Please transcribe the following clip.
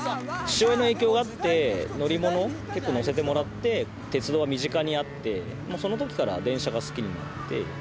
父親の影響があって、乗り物、結構乗せてもらって、鉄道が身近にあって、そのときから電車が好きになって。